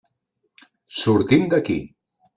Sortim d'aquí.